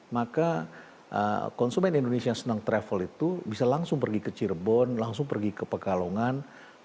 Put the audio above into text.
maka konsumen indonesia yang senang travel itu bisa langsung pergi ke cirebon langsung pergi ke pekalongan